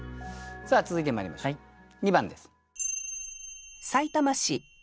さあ続いてまいりましょう２番です。